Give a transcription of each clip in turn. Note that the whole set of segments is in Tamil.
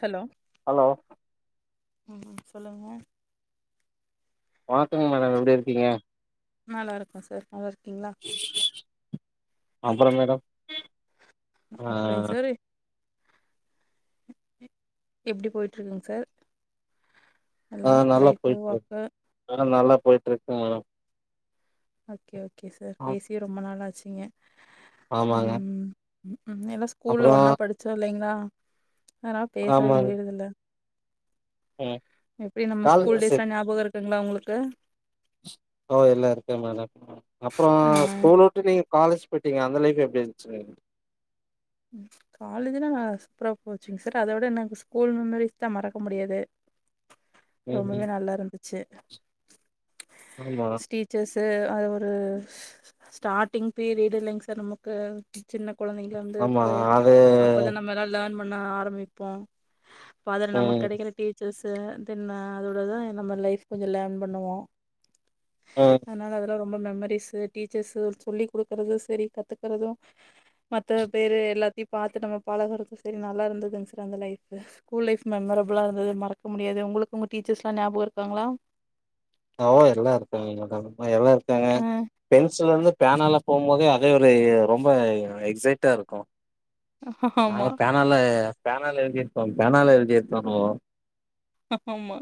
ஹலோ ஹலோ ம் சொல்லுங்க வணக்கங்க மேடம் எப்படி இருக்கீங்க நல்லா இருக்கோ சார் நல்லா இருக்கீங்களா அப்பறம் மேடம் ஆ அப்புறங்க சரி எப்டி போய்ட்டு இருக்குங்க சார் எல்லா ஆ நல்லா லைஃப்பு போயிட்டு இருக் ஒர்க்கு ஆ நல்லா போயிட்டு இருக்கு மேடம் ஓகே ஓகே சார் ஆ பேசியே ரொம்ப நாளாச்சுங்க ஆமாங்க ம் எல்லா அப்புறோ ஸ்கூல்ல ஒன்னா படிச்சோ இல்லைங்களா அதனால பேசவே ஆமாங்க முடியுறது இல்ல ம் எப்டி நம்ம காலேஜ் ஸ்கூல் சே டேஸ்லா ஞாபகம் இருக்குங்களா உங்களுக்கு ஓ எல்லா இருக்கு மேடம் அப்புற ஆ ஸ்கூல் விட்டு நீங் காலேஜ் போயிட்டீங்க அந்த லைஃப் எப்டி இருந்துச்சு காலேஜ்லா நல்ல சூப்பரா போச்சுங்க சார் அத விட எனக்கு ஸ்கூல் மெமரிஸ் தா மறக்க முடியாது ரொம்பவே ம் நல்லா இருந்துச்சு ஆமா ஸ்டீச்சர்ஸ் அது ஒரு ஸ்டார்ட்டிங் பீரியடு இல்லைங்க சார் நமக்கு சின்ன கொழந்தைங்க வந்து ஆமா அது லேன் பண்ண ஆரம்பிப்போ அதுல நமக்கு ம் கெடைக்கிற டீச்சர்ஸ் தென் அதோட தா நம்ம லைஃப் கொஞ்ச லேர்ன் பண்ணுவோ ம் அதனால அதுலா ரொம் ரொம்ப மெமரிஸ் டீச்சர்ஸ் சொல்லிகுடுக்குறது சரி கத்துக்கறது மத்த பேரு எல்லாத்தையு பாத்து நம்ம பழகுறது சரி நல்லா இருந்ததுங்க சர் அந்த லைஃப் ஸ்கூல் லைஃப் மெமரபிளா இருந்தது மறக்கமு முடியாது உங்களுக்கு உங்க டீச்சர்ஸ்லா ஞாபகம் இருக்காங்களா ஆ எல்லா இருக்காங்கமா எல்லா இருக்காங்க ஆ பென்சில் இருந்து பேனல்ல போகும் போதே அதே ஒரு ரொம்ப எக்ஸைட்டா இருக்கு நாங்க ஆமா பேனால பேனால எழுதிருப்போம் பேனால எழுதிருபோ ப்ரோ ஆமா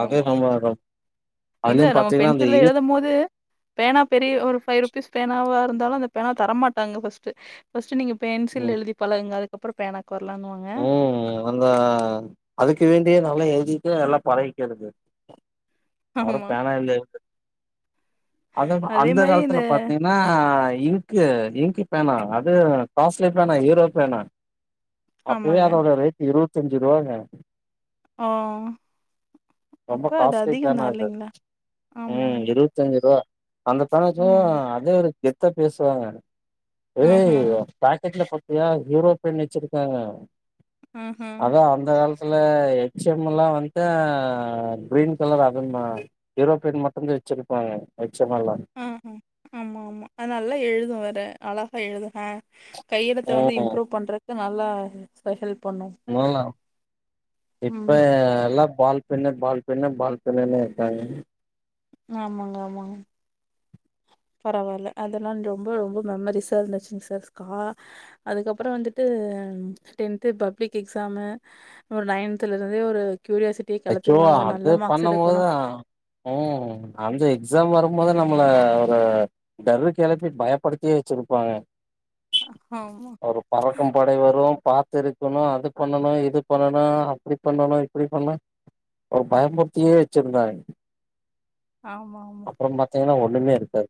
அது ஆமா நம்ம இல்ல அதுலயும் நம்ம பாத்தீங்கன்னா அந்த பென்சில்ல இங் எழுதும் போது பேனா பெரிய ஒரு ஃபைவ் ரூ பீஸ் பேனாவா இருந்தாலு அந்த பேனா தரமாட்டாங்க ஃபர்ஸ்ட்டு ஃபர்ஸ்ட்டு நீங்க பென்சில் ம் எழுதி பழகுங்க அது அப்புற பேனா ம் அந்த அதுக்கு வேண்டிய நல்ல எ [unintelligible] எல்லா பழகக்கிறது அவரு ஆமா. பேனா இல்லய அது அதே அந்த மாரி இந்த காலத்துல பாத்தீங்கன்னா இங்க்கு இங்க்கு பேனா அது காஸ்லி பேனா ஹூரோ பேனா அப்பவே ஆமாங்க. அதோட ரேட் இருபத்தஞ்சு ரூபாங்க ஓ ரொம்ப அப்ப அது காஸ்ட்லி அதிகம் பேனா தான் அது இல்லைங்களா? ம் ஆமாமா. இருபத்தஞ்சு ரூவா அந்த பேனா வச்சிருந்தா ம். அதே ஒரு கெத் த்தா பேசுவாங்க ஏ ம்ஹ்ம். பேக்கெட்ல பத்தியா ஹூரோ பென் வச்சிருக் ஆ ம்ஹ்ம். அதா அந்த காலத் சஎஃஷாம்லா வந்து கிரீன் கலர் அதுமா ஹூரோ பென் மட்டுந்தா வச்சிருப்பாங்க எம் எல்லா ஆ அ ஆமா ஆமா அது நல்லா எழுது வேற அழகா எழுது ஆ கையெழுத்த ம் வந்து இம்ப்ரூவ் பண்ணுறக்கு நல்லா ஸ்பெஷல் வாலா ம். இப்ப எல்லா பால் பின்னு பால் பின்னு பால் பின்னுனு இருக்காங்க ஆமாங்க ஆமாங்க [inaudible] பரவால்ல அதெல்லா ரொம்ப ரொம்ப மெமரிஸ்சா இருந்துச்சுங் சார் கா அதுக்கப்றோ வந்துட்டு ம் டென்து பப்ளிக் எக்ஸாம்மு ஒரு நைன்துல இருந்தே ஒரு கியூரியாசிட்டிய ஆக்சுவா கெளப்பிருவாங்க. நல்ல அது மார்க்ஸ் பண்ணும் போது எடுக்கணும். ம் அந்த எக்ஸாம் வரு போத நம்மள ஒரு டரு கெளப்பி பயப்படுத்தியே வச்சிருப்பாங்க ஆமா, ஒரு பறக்கும் படை வரு பாத்து இருக்கணு அது பண்ணணு இது பண்ணணு அப்டி பண்ணணு இப்டி பண்ணு ஒரு பயமூர்த்தியே வச்சுருந்தாங் ஆமாமா. அபறம் பாத்தீங்கன்னா ஒ ஒன்னுமே இருக்காது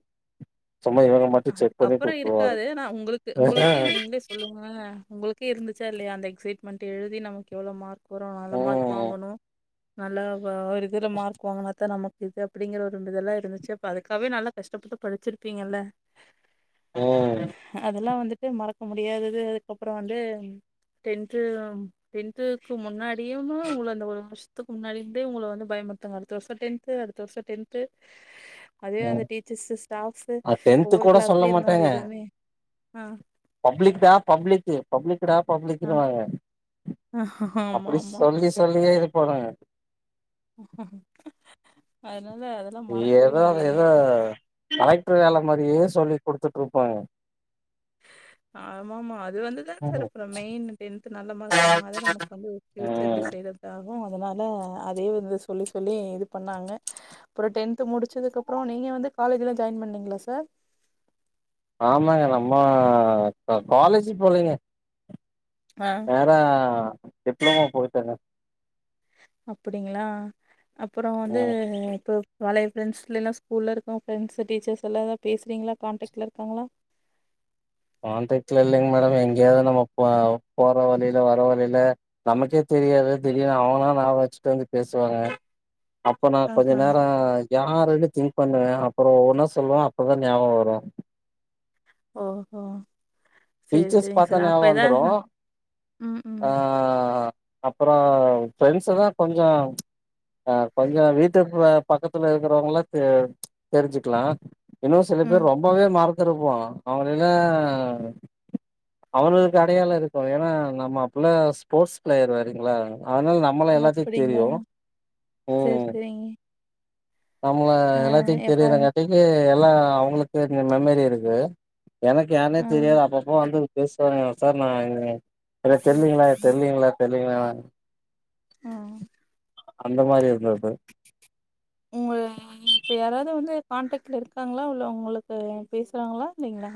சும்மா இவங்க மட்டு செக் பண்ணி அதுக்கப்றோ கூப்ட்ருவாங்க இருக்காது நா உங்களுக்கு உங்களுக்கே நீங்களே சொல்லுங்களே உங்குளுக் இருந்துச்சா இல்லையா அந்த எக்சைட்மென்ட்டு எழுதி நமக்கு எவ்வளோ மார்க் வரு நல்ல மார்க் ம் வாங்கணு நல்லா வ ஒரு இதுல மார்க் வாங்குனா தா நமக் இது அப்படிங்கற ஒரு இதெல்லா இருந்துச்சு அப்ப அதுக்காகவே நல்லா கஷ்டப்பட்டு படிச்சிருப்பீங்கல்ல ம் அதெல்லா வந்துட்டு மறக்க முடியாதது அதுக்கப்றோ வந்து டென்து டென்த்துக்கு முன்னாடியும் உங்க அந்த ஒரு வருஷத்துக்கு முன்னாடிந்தே உங்கள வந்து பயம் ஒருத்தங்க அடுத்த வருஷோ டென்து அடுத்த வருஷோ டென்து அதுவே ம் அந்த டீச்சர்ஸ்சு ஸ்டாஃப்ஸ்சு அ டென்த்து ஒவ்வொரு கூட கிளாஸ்லயு இருந்தாங்க அது எதுவுமே ஆ பப்ளிகுடா பப்ளிக்கு பப்ளிகுடா ஆ பப்ளிக்குனுவாங்க ஆமா அப்புடி ஆமா சொல்லி சொல்லியே இருப்பானுங்க அதனால அதெல்லா மறக்கவே ஏதோ முடியாது ஏதோ கலெக்டர் வேல மாரியே சொல்லி குடுத்துட்ருப்பாங்க [inaudible] ஆமமா அது வந்துதா சார் ம் அப்றோ மெயின் டென்து நல்ல மார்க் வாங்குனாதா நமக்கு வந்து பியூச்சர் டிசைடட் ஆகு அதனால அதே வந்து சொல்லி சொல்லி இது பண்ணாங்க அப்றோ டென்து முடிச்சதுக்கப்றோ நீங்க நீங்க வந்து காலேஜ்ல ஜாயின் பண்ணீங்களா சார் ஆமாங்க நம்ம க காலேஜ் போலீங்க ஆ நேரா டிப்ளமோ போயிட்டங்க அப்புடிங்களா அப்றோ வந்து ம் தொ பழைய ப்ரண்ட்ஸ் இல்ல ஸ்கூல்ல இருக்க ஃரெண்ட்ஸ் டீச்சர்ஸ் எல்லா ஏதாது பேசுறீங்களா காண்டக்ட்ல இருக்காங்களா [inaudible] கான்டக்டல இல்லைங்க மேடம் எங்கேயாவது நம்ம போ போற வழில வர வழில நமக்கே தெ ரியாது திடீருனு அவனா நா வச்சுட்டு வந்து பேசுவாங்க அப்ப நான் கொஞ்ச ஆஹா நேரோ யாருன்னு திங் பண்ணுவே அப்றோ ஒவ்வொன்னா சொல்லுவா அப்போதா ஞாபகோ வரு ஓஹோ சேரி டீச்சஸ் சேரிங்க பாத்தா சார் ஞாவ அப்ப எதா வந்துரு ம் ம் ஆ அப்றோ ஃரெண்ட்ஸ் தான் கொஞ்சோ அ கொஞ்சோ வீட்டு பக்கத்துல இருக்கிறவங்களா தெ தெரிஞ்சுக்கலா இன்னு சில ம் பேர் ரொம்பவே மறந்துருப்போ அவங்களல்லா அவனுங்குளுக்கு அடையாளோ இருக்கு ஏன்னா நம்ம அப்புலா ஸ்போர்ட்ஸ் பிளேயர் வரீங்களா அதனால நம்மள எல்லாத்துக்கு அப்டிங்களா தெரியு சேரி சேரிங்க நம்மள ஆ எல்லாதிக் எப்போ தெரியுறங்காட்டிக்கு எல்லா அவங்களுக்கு மெமரி இருக்கு எனக்கு யாருனே ஆ தெரியாது அப்பப்ப வந்து பேசுவாங்க சார் நான் இங் என்ன தெரிலீங்களா தெரிலீங்களா தெரிலீங்களானு ஆ. அந்த மாறி இருக்காது உங்க இப்ப யாராது வந்து கான்டாக்ட்ல இருக்காங்ளா இல்ல உங்ளுக்கு பேஸ்றாங்ளா இல்லைங்ளா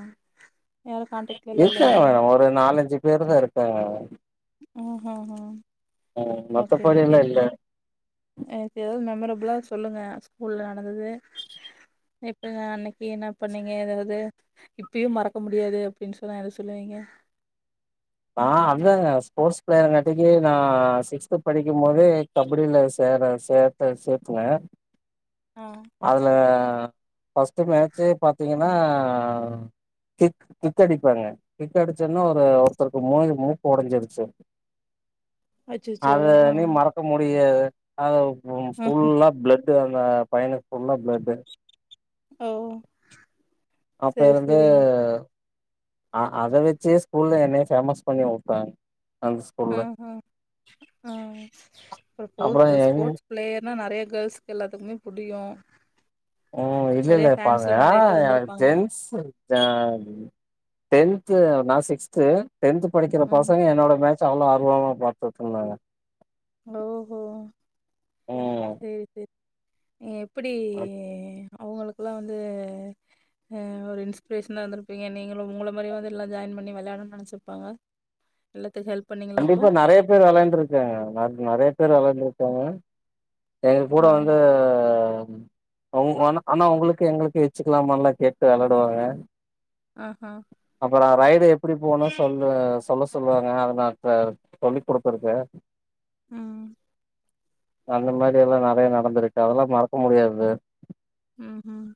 இருக்காங்க மேடம் ஒரு நாலஞ்சு பேரு தா இருக்காங்க ம் ம் ம் ம் ஓக்கே ஓக்கே மத்தபடிலா இல்ல சார் எனக்கு எனக்கு எதாது மெமரபு எதாவது சொல்லுங்க ஸ்கூல்ல நடந்துது இப்ப அன்னிக்கி என்ன பண்ணிங்க எதாது இப்பயு மறக்க முடியாது அப்டின்னு சொன்னா எத சொல்லுவீங்க [inaudible] ஆ அதுதாங்க ஸ்போர்ட்ஸ் பிளேயர்ங்காட்டிக்கு நான் சிக்ஸ்த்து படிக்கு போதே கபடில சே பேர சேத்த சேத்துன ஆ அதுல ஃபஸ்ட்டு மேட்ச்சே பாத்தீங்கன்னா கிக் கி்க் அடிப்பாங்க கிக் அடிச்சன்னோ ஒரு ஒர்த்தருக்கு மோயி மூக்கு ஒடஞ்சிருச்சி அச்சச்சோ அத ஆ இனி மறக்க முடியாது ஆ ஃபுல்லா ப்ளட்டு அந்த பையனுக்கு ஃபுல்லா ப்ளட்டு ஓ அப்ப செரி இருந்து செரிங்க அ அத வெச்சே ஸ்கூல்ல என்னய பேஃமஸ் பண்ணி உட்டாங்க ம்ஹூ ம் ஒரு போ அப்புறம் எங் ஸ்போர்ட்ஸ் பிளேயர்னா நெறயா கேர்ள்ஸ்க்கு எல்லாத்துக்குமே புடிக்கு ம் இல்ல நெறைய இல்ல பாருங்க ஃபேன்ஸ்லா ஆஹா நெறைய பேர் எனக்கு இருந்திருப்பாங்க ஜென்சு அ டென்த்து நா சிக்ஸ்த்து டென்த்து படிக்குற ம் பசங்க என்னோட மேட்ச்ச அவ்ளோ ஆர்வமா பாத்துட்டு இருந்தாங்க ஓ ஹோ ம் சேரி சேரி நீ எப்டி அவங்களுக்கெல்லா வந்து அ ஒரு இன்ஸ்பிரேஷனா இருந்திருப்பீங்க நீங்களு உங்கள மாறி வந்து எல்லா ஜாய்ன் பண்ணி வெளாட்டனுன்னு நெனச்சிருப்பாங்க எல்லாத்துக் ஹெல்ப் பண்ணீங்களா அப்போ கண்டிப்பா நெறய பேர் வெளாண்ட்ருக்காங்க நெறய பேர் வெளாண்ட்ருக்காங்க எங்க கூட ஆ வந்து அண்ணா உங்ளுக்கு எங்ளுக்கு வெச்சுக்கலாமால்லா கேட்டு வெளாடுவாங்க ஆஹா அப்றோ ரை டு எப்புடி போணூ சொல்லு சொல்ல சொல்லுவாங்க அத நா இப்ப சொல்லி் குடுத்துருக்கே ம் அந்த மாறி எல்லா நெறய நடந்துருக்கு அதல்லா மறக்க முடியாது ம்ஹும்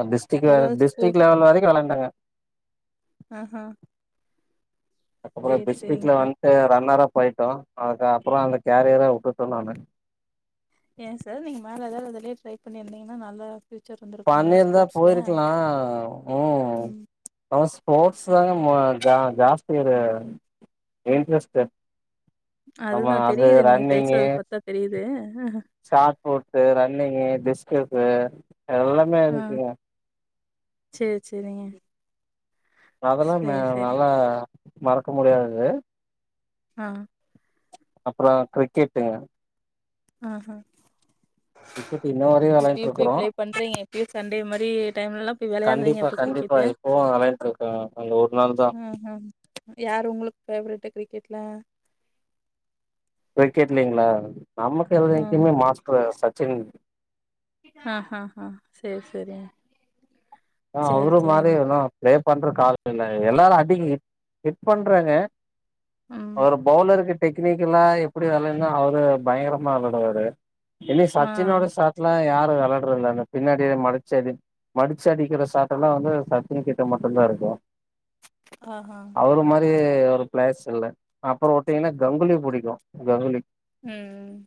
அ டிஸ்டிக் வேற ஏதாவது ஸ்கூ டிஸ்ட்ரிக் லெவல் வரைக்கு வெளாண்டங்க ஆஹா அத்கப்பறோ சேரி சேரிங்க டிஸ்ட்ரிக்ட்ல சார் வன்ட்டு ரன்னர்ரப் போயிட்டோ அதுக்கு அப்றோ அந்த கேரியர உட்டுட்டோ நானு ஏ சார் நீங்க மேல எதாது அதுலயே ட்ரை பண்ணிருந்திங்னா நல்லா பண்ணிர்ந்தா போய்ருக்கலா ம் அவஸ் ஸ்போர்ட்ஸ் தாங்க மோ ஜா ஜாஸ்தி அது இன்ட்ரெஸ்ட்டு ஆமா அதுதா அது தெரியுது நீங்க ரன்னிங்கு பேசுறது பாத்தா தெரியுது ஷார்ட் பூட்டு ர ரன்னிங்கு டிஸ்க்ரிப்பு எல்லாமே இருக்குங்க சேர் சேரிங்க அதல்லா நே சேரி சேரி நல்லா மறக்க முடியாது ஆ அப்றோ க்ரிக்கெட்டுங்க ஆ ஹா கிரிக்கெட் இன்ன வரையு வெளையாண்ட்டு இப்பயேப் போய் இருக்குறோ ப்ளே பண்றிங்க இப்யு சண்டே மாறி டைம்லல்லா போய் வெளயாட்றிங்க கண்டிப்பா போய்க்ரி கண்டிப்பா கிட்டு இப்பவு வெளையாண்ட்டு இருக்கோ அந்த ஒரு நாள் தா ம் ம் யாரு உங்களுக் ஃபேவரட்டு க்ரிக்கெட்ல கிரிக்கெட்லைங்ளா நமக்கு ம் என்னைக்குமே மாஸ்டர் சச்சின். ஆஹ் ஹாஹா சேரி சேரிங் ஆஹ் அவரு மாறியே [unintelligible] ப்ளே பண்ற கால் ல எல்லாரு அதிக ஹிட் பண்றாங்க ம் ஒரு பவுலரு கிட். டெக்னிக்கல்லா எப்டி விளையாடனுனா அவரு பயங்கரமா வெளாடுவாரு இனி ஆ சச்சினோட சாட்லா யாரு விளையாடுறதில்ல பின்னாடிய மடிச்ச [unintelligible] -மடிச் ச அடிக்கிற சாட்டலா வந்து சச்சின் கிட்ட மட்டுந்தா இருக்கு ஆஹா அவரு மாறி எ ஒரு பிளேஸ் இல்ல அப்புற வுட்டீங்னா கங்குலி பிடிக்கு கங்குலி. ம் ம்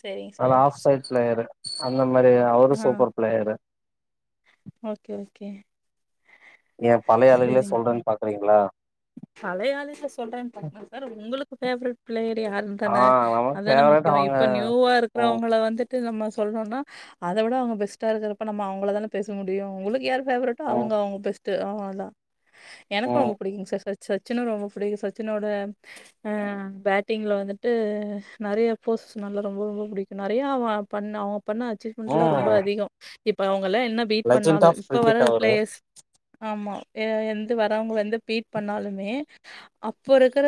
சேரிங்க ஆனா சார். ஆஃப் சைட் பிளேயரு அந்த மாரி அவரு ஆ சூப்பர் பிளேயரு. Okay okay. ஏ பழைய ஆளுகளே சொல்றேன்னு பாக்றீங்ளா? பழயாளுகள சொல்றேன்னு பாக்றே சார் உங்களுக்கு பேவரட் பிளேயர் ஆ யாருந்தானே நமக்கு அதானே ஃபேவரட் முக் யு அவங்க இப்ப நியூவா ம் இருக்கிறவங்கள வந்துட் டு நம்ம சொல்றோனா அத விட அவங்க பெஸ்டா இருக்றப்ப நம்ம அவங்களதான பேச முடியு உங்களுக்கு யாரு ஃபேவரட்டோ ம் அவுங்க அவுங்க பெஸ்ட் அவான்தா எனக்கு ம் ரொம்ப பிடிக்குங்க சார் ச சச்சினு ரொம்ப புடிக்கு சச்சினோட அ பேட்டிங்ல வந்துட்டு நெறைய போஸ் ஸ் நல்ல ரொம்ப ரொம்ப புடிக்கு நெறயா அவ பண்ண அவங்க பண்ண அச்சீவ்மெண்ட்லா ம் ரொம்ப அதிகம் இப்ப அவுங் ல்ல என்ன பீட் லெஜண்ட் பண்ணாலு ஆஃப் இப்ப வர கிரிக்கெட் அவரு பிளேயர்ஸ் ஆமா. எ எந்து வர்றவங்க வந்து பீட் பண்ணாலுமே மே அப்ப இருக்ற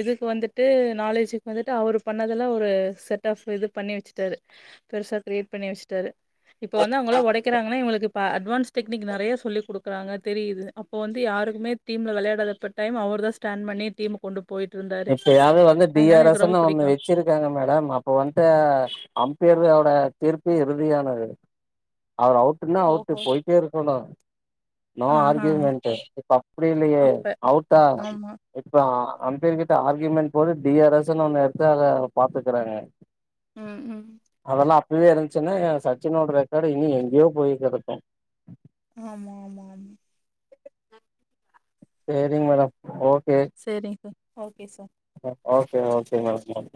இதுக்கு வந்துட்டு நாலேஜுக்கு வந்துட்டு அவரு பண்ணதுல ஒரு. செட் ஆப் இது பண்ணி வச்சுட்டாரு பெருசா கிரியேட் பண்ணி வச்சுட்டாரு. இப்ப வந்து அவங்கள்லா ஒடைக்கிறாங்கனா இவுங்களுக்கு ப அட்வான்ஸ் டெக்னிக் நெறய சொல்லிக்கொடுக்குறாங்க தெரியுது அப்ப வந்து யாருமே டீம்ல விளையாடாதப் டைம் அவருதா ஸ்டாண் பண்ணி டீம கொண்டு ப் இப்பயாது வந்து ரொம்ப டிஆர்எஸ்ஸுனு ஒன்னு புடிக்கு வச்சிருக்காங்க மேடம் அப்ப வந்து அம்பேரு அ ப்ப தீர்ப்பு இறுதியானது அவர் அவுட்னா அவுட் ஓஹோ போயிட்டே இருக்கணு. நோ ஆஹா ஆர்கியூமெண்ட் இப்ப அப்டி இல்லையே அப்ப அவுட்டா ஆமா இப்ப ஆ அம்பீர் கிட்ட ஆர்க்கியூமெண்ட் போட்டு டிஆர்எஸ்ஸுனு ஒன்னு எடுத்து அத பாத்துக்குறாங்க ம் ம் ஃபிரியா இருந்துச்சுன்னா ஏ சச்சினோட ரெக்கார்டு இனி எங்கேயோ போய்கெடக்கு ஆமா ஆமா ஆமா சரிங்க மேடம் ஓ சரிங்க sir okay sir okay okay madam